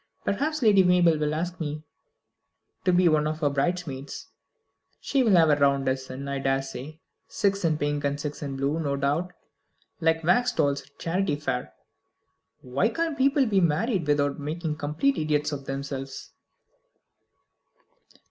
Perhaps Lady Mabel will ask me to be one of her bridesmaids. She will have a round dozen, I daresay. Six in pink, and six in blue, no doubt, like wax dolls at a charity fair. Why can't people be married without making idiots of themselves?"